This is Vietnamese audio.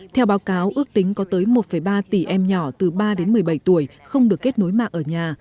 theo báo cáo ước tính có tới một ba tỷ em nhỏ từ ba đến một mươi bảy tuổi không được kết nối mạng ở nhà